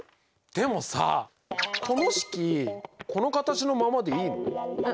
でもさこの式この形のままでいいの？え？